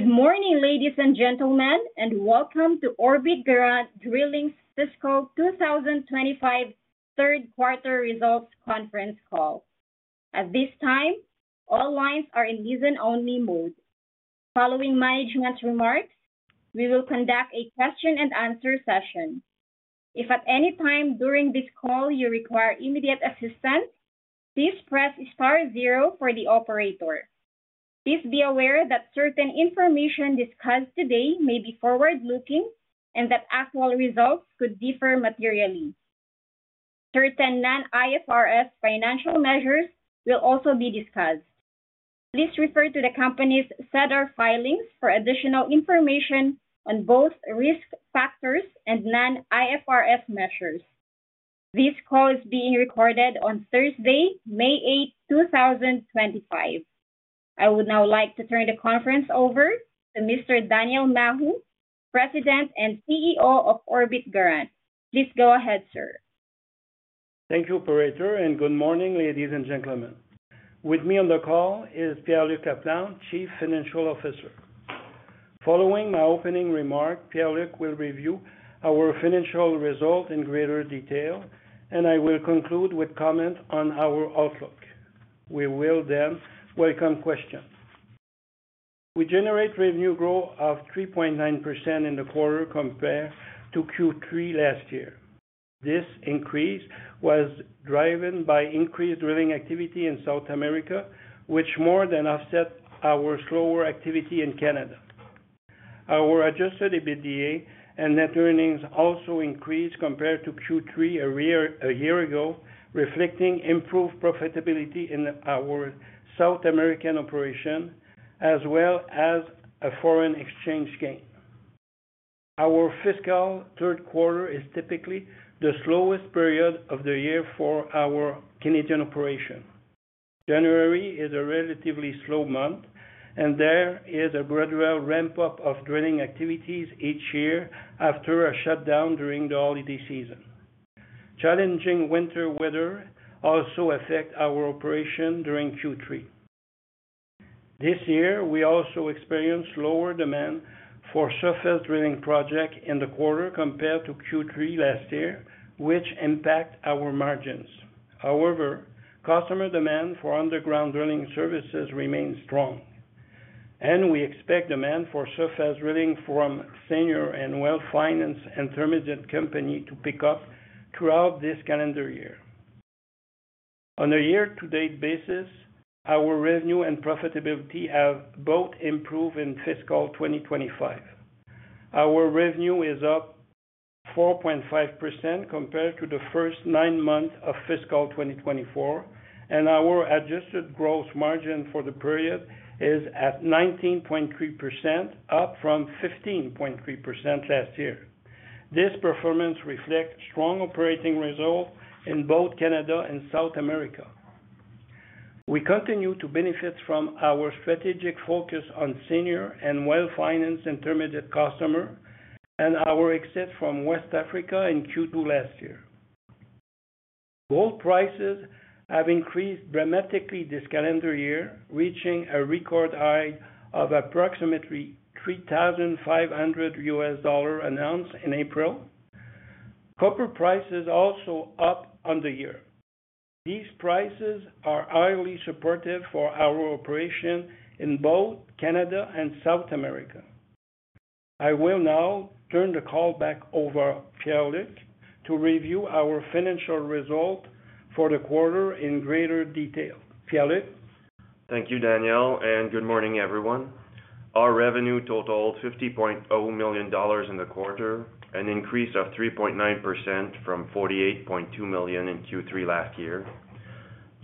Good morning, ladies and gentlemen, and welcome to Orbit Garant Drilling 2025 third quarter results conference call. At this time, all lines are in listen-only mode. Following management's remarks, we will conduct a question-and-answer session. If at any time during this call you require immediate assistance, please press star zero for the operator. Please be aware that certain information discussed today may be forward-looking and that actual results could differ materially. Certain non-IFRS financial measures will also be discussed. Please refer to the company's SEDAR filings for additional information on both risk factors and non-IFRS measures. This call is being recorded on Thursday, May 8 2025. I would now like to turn the conference over to Mr. Daniel Maheu, President and CEO of Orbit Garant. Please go ahead, sir. Thank you, Operator, and good morning, ladies and gentlemen. With me on the call is Pierre-Luc Laplante, Chief Financial Officer. Following my opening remark, Pierre-Luc will review our financial result in greater detail, and I will conclude with comments on our outlook. We will then welcome questions. We generate revenue growth of 3.9% in the quarter compared to Q3 last year. This increase was driven by increased drilling activity in South America, which more than offsets our slower activity in Canada. Our adjusted EBITDA and net earnings also increased compared to Q3 a year ago, reflecting improved profitability in our South American operation, as well as a foreign exchange gain. Our fiscal third quarter is typically the slowest period of the year for our Canadian operation. January is a relatively slow month, and there is a gradual ramp-up of drilling activities each year after a shutdown during the holiday season. Challenging winter weather also affects our operation during Q3. This year, we also experienced lower demand for surface drilling projects in the quarter compared to Q3 last year, which impacted our margins. However, customer demand for underground drilling services remains strong, and we expect demand for surface drilling from senior and well-financed intermediate companies to pick up throughout this calendar year. On a year-to-date basis, our revenue and profitability have both improved in fiscal 2025. Our revenue is up 4.5% compared to the first nine months of fiscal 2024, and our adjusted gross margin for the period is at 19.3%, up from 15.3% last year. This performance reflects strong operating results in both Canada and South America. We continue to benefit from our strategic focus on senior and well-financed intermediate customers and our exit from West Africa in Q2 last year. Gold prices have increased dramatically this calendar year, reaching a record high of approximately $3,500 an ounce in April. Copper prices are also up on the year. These prices are highly supportive for our operation in both Canada and South America. I will now turn the call back over to Pierre-Luc to review our financial result for the quarter in greater detail. Pierre-Luc. Thank you, Daniel, and good morning, everyone. Our revenue totaled 50.0 million dollars in the quarter, an increase of 3.9% from 48.2 million in Q3 last year.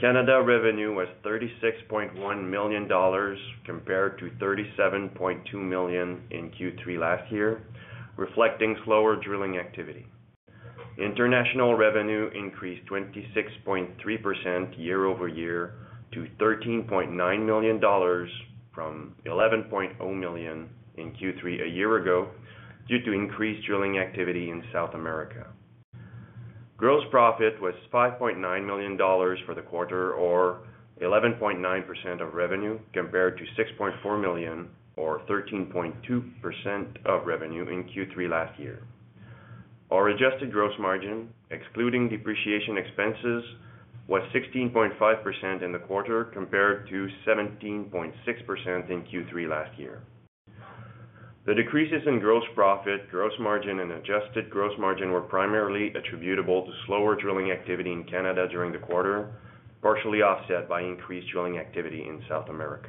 Canada revenue was 36.1 million dollars compared to 37.2 million in Q3 last year, reflecting slower drilling activity. International revenue increased 26.3% year over year to 13.9 million dollars from 11.0 million in Q3 a year ago due to increased drilling activity in South America. Gross profit was 5.9 million dollars for the quarter, or 11.9% of revenue, compared to 6.4 million, or 13.2% of revenue, in Q3 last year. Our adjusted gross margin, excluding depreciation expenses, was 16.5% in the quarter compared to 17.6% in Q3 last year. The decreases in gross profit, gross margin, and adjusted gross margin were primarily attributable to slower drilling activity in Canada during the quarter, partially offset by increased drilling activity in South America.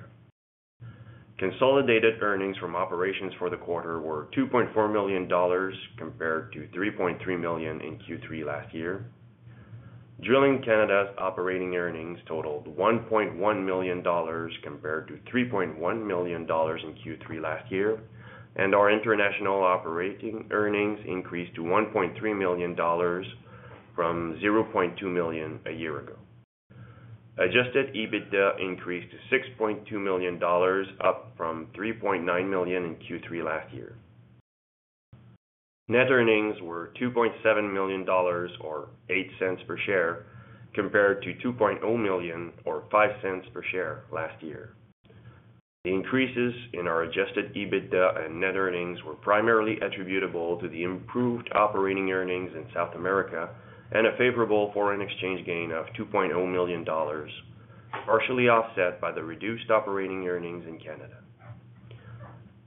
Consolidated earnings from operations for the quarter were 2.4 million dollars compared to 3.3 million in Q3 last year. Drilling Canada's operating earnings totaled 1.1 million dollars compared to 3.1 million dollars in Q3 last year, and our international operating earnings increased to 1.3 million dollars from 0.2 million a year ago. Adjusted EBITDA increased to 6.2 million dollars, up from 3.9 million in Q3 last year. Net earnings were 2.7 million dollars, or 0.08 per share, compared to 2.0 million, or 0.05 per share, last year. The increases in our adjusted EBITDA and net earnings were primarily attributable to the improved operating earnings in South America and a favorable foreign exchange gain of 2.0 million dollars, partially offset by the reduced operating earnings in Canada.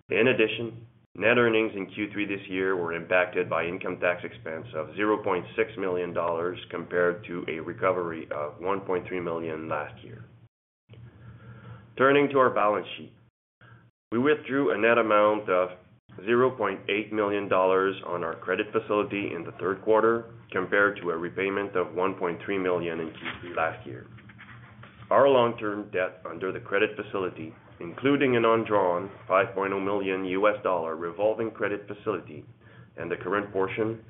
In addition, net earnings in Q3 this year were impacted by income tax expense of 0.6 million dollars compared to a recovery of 1.3 million last year. Turning to our balance sheet, we withdrew a net amount of 0.8 million dollars on our credit facility in the third quarter, compared to a repayment of 1.3 million in Q3 last year. Our long-term debt under the credit facility, including an undrawn CAD 5.0 million revolving credit facility and the current portion,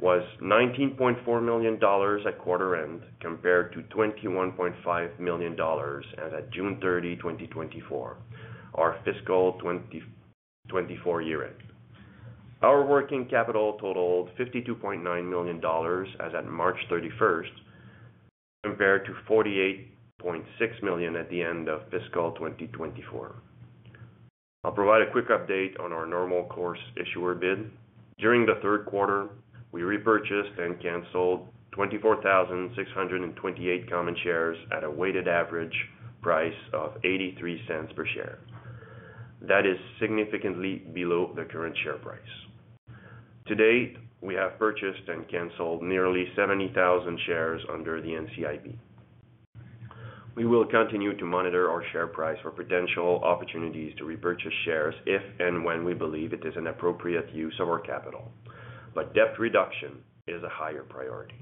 was CAD 19.4 million at quarter-end, compared to CAD 21.5 million as of June 30, 2024, our fiscal 2024 year-end. Our working capital totaled 52.9 million dollars as of March 31st, compared to 48.6 million at the end of fiscal 2024. I'll provide a quick update on our normal course issuer bid. During the third quarter, we repurchased and canceled 24,628 common shares at a weighted average price of 0.83 per share. That is significantly below the current share price. To date, we have purchased and canceled nearly 70,000 shares under the NCIB. We will continue to monitor our share price for potential opportunities to repurchase shares if and when we believe it is an appropriate use of our capital, but debt reduction is a higher priority.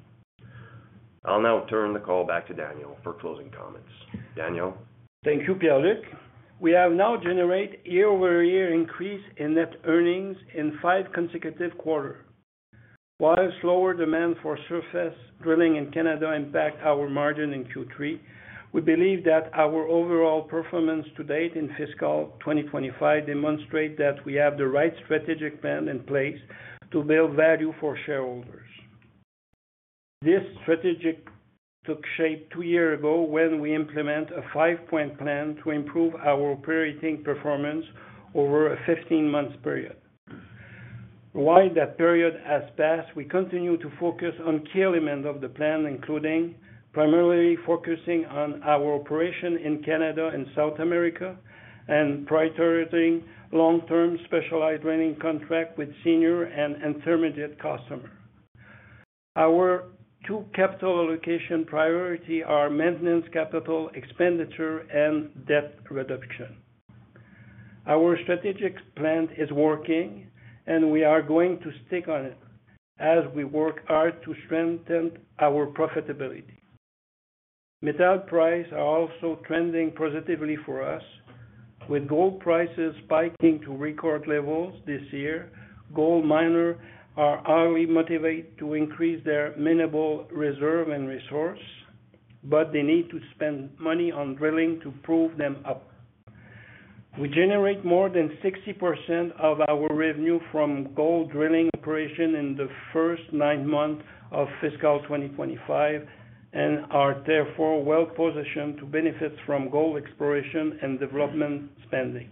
I'll now turn the call back to Daniel for closing comments. Daniel. Thank you, Pierre-Luc. We have now generated a year-over-year increase in net earnings in five consecutive quarters. While slower demand for surface drilling in Canada impacts our margin in Q3, we believe that our overall performance to date in fiscal 2025 demonstrates that we have the right strategic plan in place to build value for shareholders. This strategy took shape two years ago when we implemented a five-point plan to improve our operating performance over a 15-month period. While that period has passed, we continue to focus on key elements of the plan, including primarily focusing on our operation in Canada and South America, and prioritizing long-term specialized drilling contracts with senior and intermediate customers. Our two capital allocation priorities are maintenance capital expenditure and debt reduction. Our strategic plan is working, and we are going to stick on it as we work hard to strengthen our profitability. Metal prices are also trending positively for us. With gold prices spiking to record levels this year, gold miners are highly motivated to increase their mineral reserve and resources, but they need to spend money on drilling to prove them up. We generate more than 60% of our revenue from gold drilling operations in the first nine months of fiscal 2025 and are therefore well-positioned to benefit from gold exploration and development spending.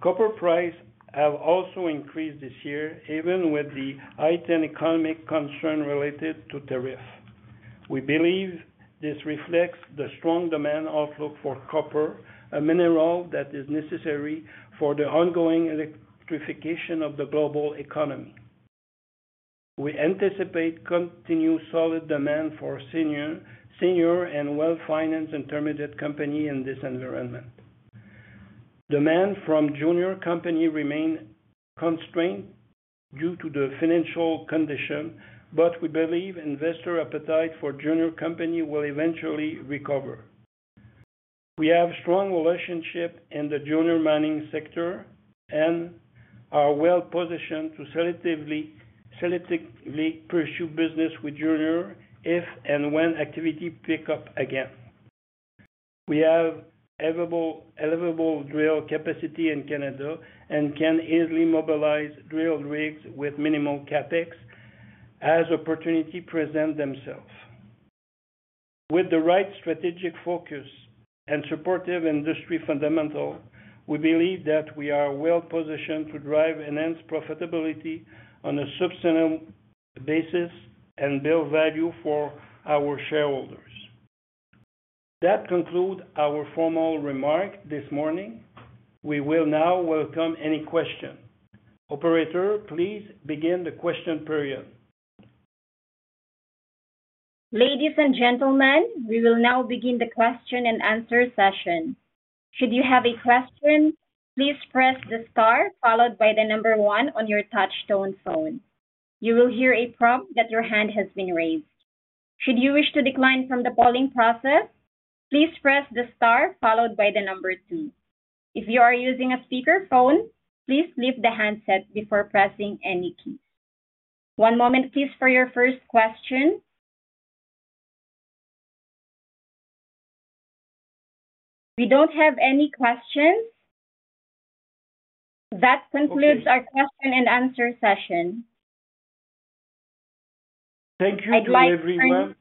Copper prices have also increased this year, even with the heightened economic concerns related to tariffs. We believe this reflects the strong demand outlook for copper, a mineral that is necessary for the ongoing electrification of the global economy. We anticipate continued solid demand for senior and well-financed intermediate companies in this environment. Demand from junior companies remains constrained due to the financial conditions, but we believe investor appetite for junior companies will eventually recover. We have a strong relationship in the junior mining sector and are well-positioned to selectively pursue business with juniors if and when activity picks up again. We have available drill capacity in Canada and can easily mobilize drill rigs with minimal CapEx as opportunities present themselves. With the right strategic focus and supportive industry fundamentals, we believe that we are well-positioned to drive enhanced profitability on a substantial basis and build value for our shareholders. That concludes our formal remarks this morning. We will now welcome any questions. Operator, please begin the question period. Ladies and gentlemen, we will now begin the question-and-answer session. Should you have a question, please press the star followed by the number one on your touchstone phone. You will hear a prompt that your hand has been raised. Should you wish to decline from the polling process, please press the star followed by the number two. If you are using a speakerphone, please lift the handset before pressing any keys. One moment, please, for your first question. We do not have any questions. That concludes our question-and-answer session. Thank you to everyone.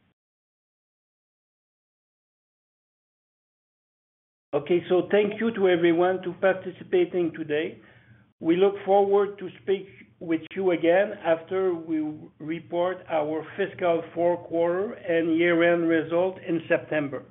Okay, so thank you to everyone for participating today. We look forward to speaking with you again after we report our fiscal fourth quarter and year-end results in September.